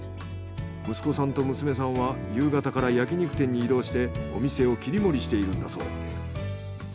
息子さんと娘さんは夕方から焼き肉店に移動してお店を切り盛りしているんだそう。